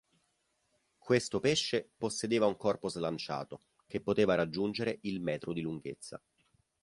Questo pesce possedeva un corpo slanciato, che poteva raggiungere il metro di lunghezza.